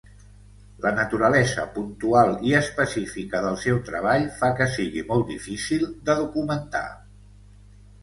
La naturalesa puntual i específica del seu treball fa que sigui molt difícil de documentar.